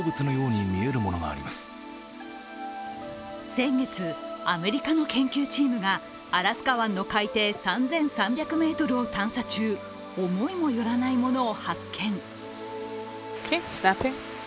先月、アメリカの研究チームがアラスカ湾の海底３３００ｍを探索中、思いもよらないものを発見。